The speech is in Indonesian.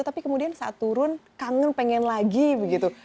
tapi kemudian saat turun kangen pengen lagi begitu